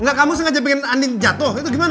enggak kamu sengaja pengen jatoh itu gimana